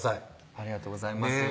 ありがとうございます